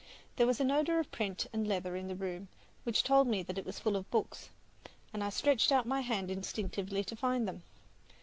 There was an odour of print and leather in the room which told me that it was full of books, and I stretched out my hand instinctively to find them.